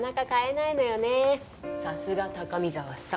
さすが高見沢さん。